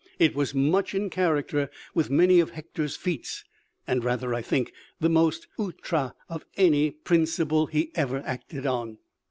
It was much in character with many of Hector's feats, and rather, I think, the most outré of any principle he ever acted on.